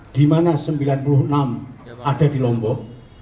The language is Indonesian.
dimana sembilan puluh enam ada di lombok